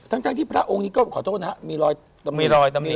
ทั้งที่พระองค์ก็ขอโทษครับมีรอยตำนิ